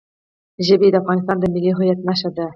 ژبې د افغانستان د ملي هویت نښه ده.